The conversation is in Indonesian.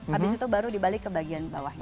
habis itu baru dibalik ke bagian bawahnya